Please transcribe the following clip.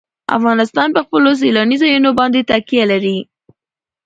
افغانستان په خپلو سیلاني ځایونو باندې تکیه لري.